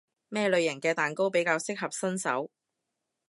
咩類型嘅蛋糕比較適合新手？